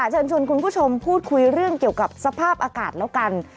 เชิญชวนคุณผู้ชมพูดคุยเรื่องเกี่ยวกับสภาพอากาศแล้วกัน